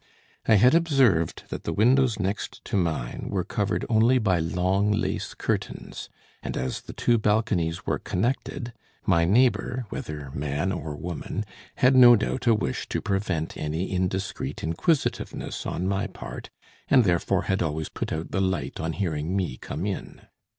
I had observed that the windows next to mine were covered only by long lace curtains; and as the two balconies were connected, my neighbor, whether man or woman, had no doubt a wish to prevent any indiscreet inquisitiveness on my part, and therefore had always put out the light on hearing me come in.